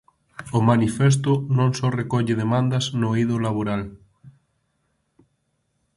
O manifesto non só recolle demandas no eido laboral.